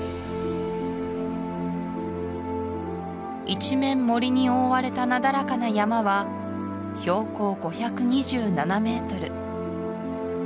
一面森に覆われたなだらかな山は標高５２７ｍ